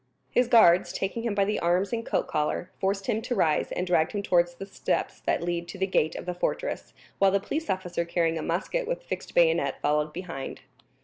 His guards, taking him by the arms and coat collar, forced him to rise, and dragged him towards the steps that lead to the gate of the fortress, while the police officer carrying a musket with fixed bayonet followed behind.